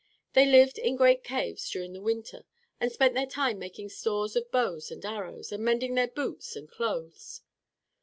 They lived in great caves during the winter, and spent their time making stores of bows and arrows, and mending their boots and clothes.